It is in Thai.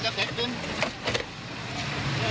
เดี๋ยวยโรงโรค